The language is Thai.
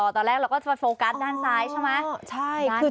ตอนแรกเราก็จะไปโฟกัสด้านซ้ายใช่ไหม